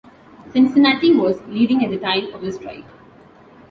Cincinnati was leading at the time of the strike.